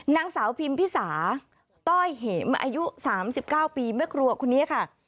นางสาวพิมพิสาต้อยเห็มอายุ๓๙ปีแม่ครัวคนนี้ค่ะ